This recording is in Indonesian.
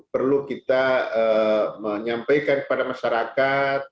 perlu kita menyampaikan kepada masyarakat